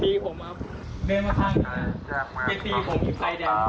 ตีผมครับ